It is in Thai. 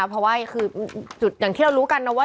เพราะว่าที่เรารู้กันนะคะว่า